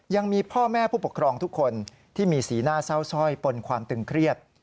ยังมีพ่อแม่ผู้ปกครองทุกคนที่มีสีหน้าเศร้าสร้อยปนความตึงเครียด